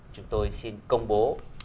chúng tôi xin công bố